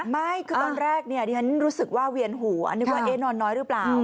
ไม่คือตอนแรกเนี่ยดิฉันรู้สึกว่าเวียนหัวนึกว่านอนน้อยหรือเปล่า